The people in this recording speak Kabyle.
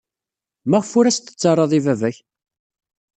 Maɣef ur as-tettarrad i baba-k?